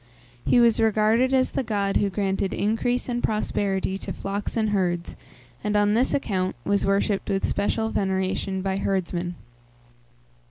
He was regarded as the god who granted increase and prosperity to flocks and herds, and, on this account, was worshipped with special veneration by herdsmen.